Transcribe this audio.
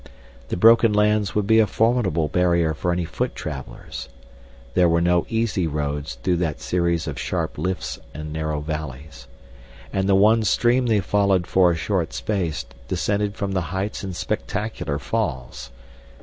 The broken lands would be a formidable barrier for any foot travelers: there were no easy roads through that series of sharp lifts and narrow valleys. And the one stream they followed for a short space descended from the heights in spectacular falls.